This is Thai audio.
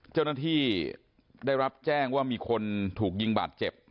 เจ้าหน้าที่ได้รับแจ้งว่ามีคนถูกยิงบาดเจ็บ